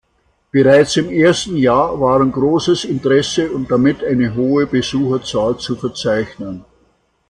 Bereits im ersten Jahr waren großes Interesse und damit eine hohe Besucherzahl zu verzeichnen.